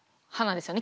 ですよね？